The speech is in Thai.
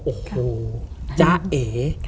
โอ้โหจ๊ะเอ